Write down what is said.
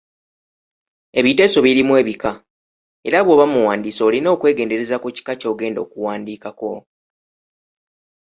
Ebiteeso birimu ebika, era bw’oba muwandiisi olina okwegendereza ku kika ky’ogenda okuwandiikako,